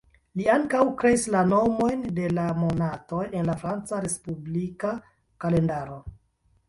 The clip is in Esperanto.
Li ankaŭ kreis la nomojn de la monatoj en la Franca respublika kalendaro.